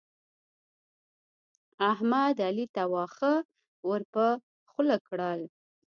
احمد؛ علي ته واښه ور پر خوله کړل.